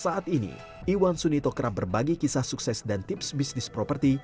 saat ini iwan sunito kerap berbagi kisah sukses dan tips bisnis properti